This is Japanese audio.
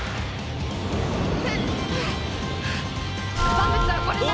万物はこれなる。